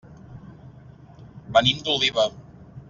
Venim d'Oliva.